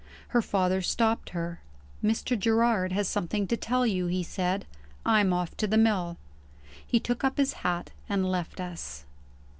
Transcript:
Her father stopped her. "Mr. Gerard has something to tell you," he said. "I'm off to the mill." He took up his hat, and left us.